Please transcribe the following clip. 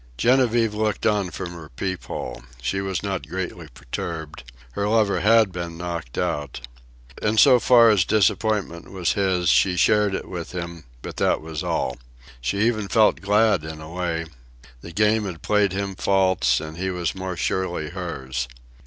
Genevieve looked on from her peep hole. She was not greatly perturbed. Her lover had been knocked out. In so far as disappointment was his, she shared it with him; but that was all. She even felt glad in a way. The Game had played him false, and he was more surely hers.